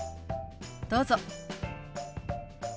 どうぞ。